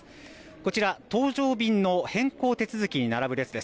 こちら搭乗便の変更手続きに並ぶ列です。